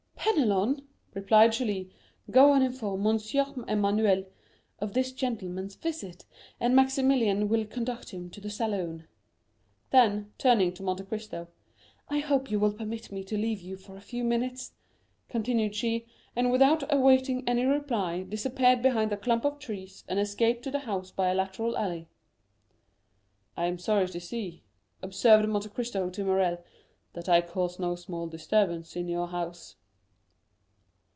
"Penelon," replied Julie, "go and inform M. Emmanuel of this gentleman's visit, and Maximilian will conduct him to the salon." Then, turning to Monte Cristo,—"I hope you will permit me to leave you for a few minutes," continued she; and without awaiting any reply, disappeared behind a clump of trees, and escaped to the house by a lateral alley. 30041m "I am sorry to see," observed Monte Cristo to Morrel, "that I cause no small disturbance in your house."